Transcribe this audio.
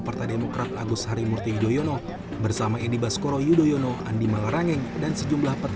partai demokrat agus harimurti yudhoyono bersama edi baskoro yudhoyono andi malarangeng dan sejumlah